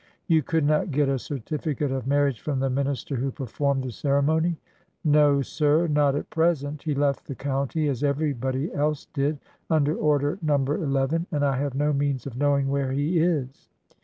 '' You could not get a certificate of marriage from the minister who performed the ceremony ?" No, sir;— not at present. He left the county, as everybody else did, under Order No. ii, and I have no means of knowing where he is."